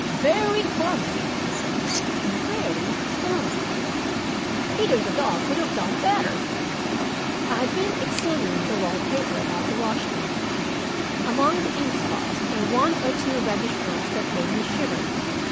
"Very clumsy," he said. "Very clumsy. Peter the dog could have done better." I had been examining the wall paper about the wash stand. Among the ink spots were one or two reddish ones that made me shiver.